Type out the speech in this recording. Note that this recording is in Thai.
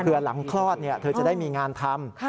เพื่อหลังคลอดเธอจะได้มีงานทำ